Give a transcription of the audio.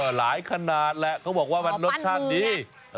หลายขนาดแหละเขาบอกว่ามันรสชาติดี